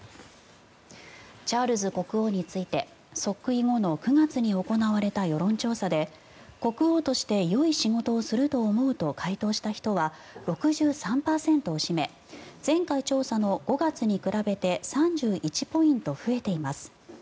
チャールズ国王について即位後の９月に行われた世論調査で国王としてよい仕事をすると思うと回答した人は６３％を占め前回調査の５月に比べて３１ポイント増えています。